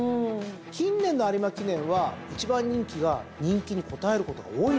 近年の有馬記念は１番人気が人気に応えることが多いんですよ。